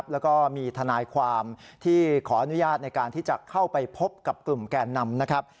แล้วก็มีทนายความที่ขออนุญาตในการที่จะเข้าไปพบกับกลุ่มแก่นนำนะครับ